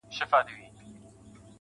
• خیال دي.